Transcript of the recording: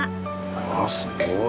わあすごい。